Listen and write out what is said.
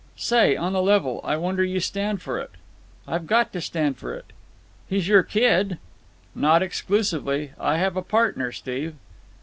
"Say, on the level, I wonder you stand for it." "I've got to stand for it." "He's your kid." "Not exclusively. I have a partner, Steve."